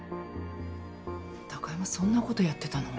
貴山そんなことやってたの？